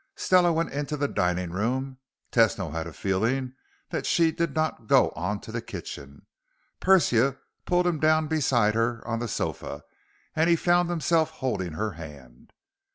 Stella went into the dining room Tesno had a feeling that she did not go on to the kitchen. Persia pulled him down beside her on the sofa, and he found himself holding her hand.